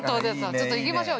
ちょっと行きましょう。